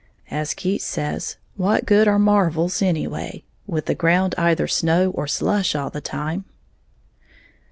As Keats says, what good are "marvles" anyway, with the ground either snow or slush all the time?